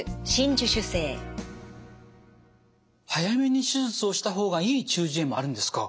早めに手術をした方がいい中耳炎もあるんですか。